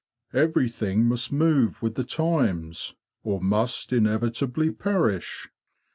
"Everything must move with the times, or must inevitably perish.